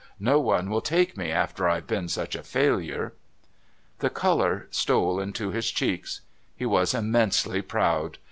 No one will take me after I've been such a failure." The colour stole into his cheeks. He was immensely proud.